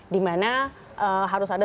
dimana harus ada